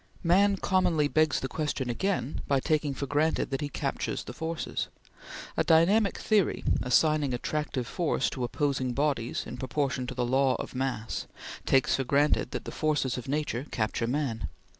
Man commonly begs the question again taking for granted that he captures the forces. A dynamic theory, assigning attractive force to opposing bodies in proportion to the law of mass, takes for granted that the forces of nature capture man.